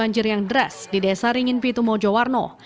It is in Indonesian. banjir yang deras di desa ringin pitumo jowarno